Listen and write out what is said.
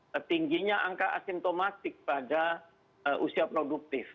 ketingginya angka asimptomatik pada usia produktif